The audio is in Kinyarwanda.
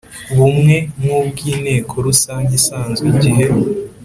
bumwe nk ubw Inteko Rusange isanzwe Igihe